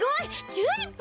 チューリップ！